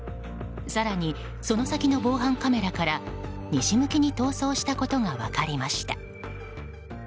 更にその先の防犯カメラから西向きに逃走したことが分かりました。